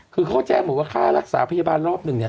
คือเขาแจ้งบอกว่าค่ารักษาพยาบาลรอบหนึ่งเนี่ย